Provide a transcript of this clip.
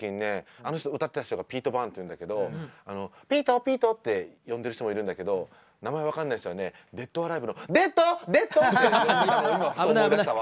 あの人歌ってた人がピート・バーンズっていうんだけど「ピートピート」って呼んでる人もいるんだけど名前分かんない人はねデッド・オア・アライヴの「デッド！デッド！」って呼んでたの